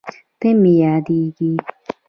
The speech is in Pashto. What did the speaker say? ته مې یادېږې